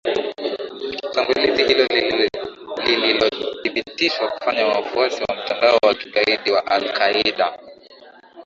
shambulizi hilo lililothibitishwa kufanywa na wafuasi wa mtandao wa kigaidi wa alqaeda